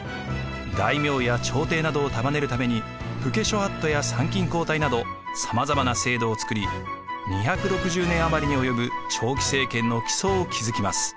大名や朝廷などを束ねるために武家諸法度や参勤交代などさまざまな制度を作り２６０年余りに及ぶ長期政権の基礎を築きます。